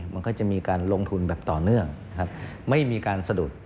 มันก็จะมีการลงทุนแบบต่อเนื่องนะครับไม่มีการสะดุด